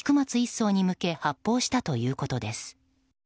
曹に向けて、発砲したということです。